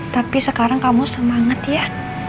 tapi sekarang kamu semangat ya